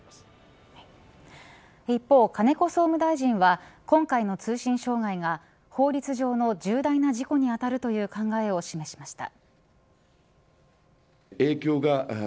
一方、金子総務大臣は今回の通信障害が法律上の重大な事故に当たるという考えを示しました。